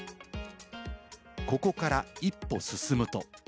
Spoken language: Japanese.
ここから１歩、進むと。